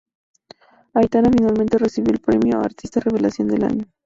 Aitana finalmente, recibió el premio a "Artista Revelación del Año".